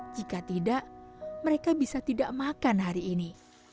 jika tidak mereka bisa tidak makan hari ini